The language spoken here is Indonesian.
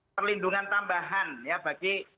perlindungan tambahan ya bagi